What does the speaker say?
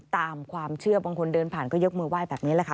ตามความเชื่อบางคนเดินผ่านก็ยกมือไหว้แบบนี้แหละค่ะ